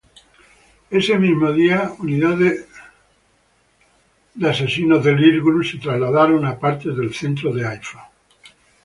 Ese mismo día unidades del Irgún se trasladaron a partes del centro de Haifa.